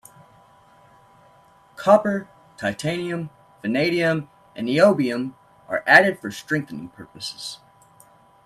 Copper, titanium, vanadium, and niobium are added for strengthening purposes.